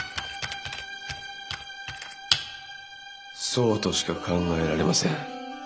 そうとしか考えられません。